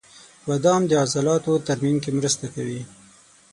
• بادام د عضلاتو ترمیم کې مرسته کوي.